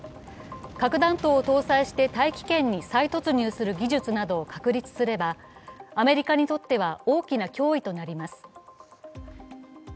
核弾頭を搭載して大気圏に再突入する技術などを確立すればアメリカにとっては、大きな脅威となります。